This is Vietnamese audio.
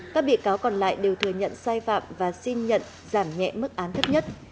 các bị cáo còn lại đều thừa nhận sai phạm và xin nhận giảm nhẹ mức án thấp nhất